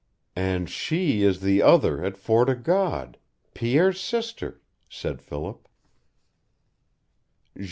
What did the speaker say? "And she is the other at Fort o' God Pierre's sister," said Philip.